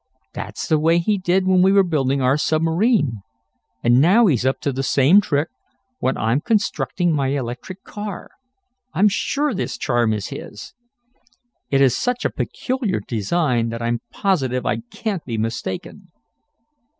That's the way he did when we were building our submarine, and now he's up to the same trick when I'm constructing my electric car. I'm sure this charm is his. It is such a peculiar design that I'm positive I can't be mistaken.